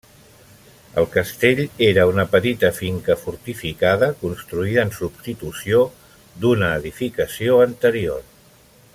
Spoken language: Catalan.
El castell era una petita finca fortificada, construïda en substitució d'una edificació anterior.